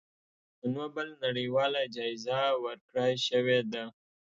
د نوبل نړیواله جایزه ورکړی شوې ده.